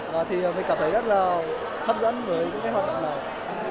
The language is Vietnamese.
và thì mình cảm thấy rất là hấp dẫn với những cái hoạt động này